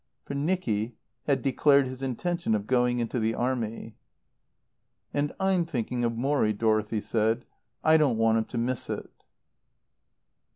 For Nicky had declared his intention of going into the Army. "And I'm thinking of Morrie," Dorothy said. "I don't want him to miss it."